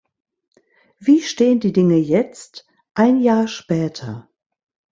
Wie stehen die Dinge jetzt, ein Jahr später?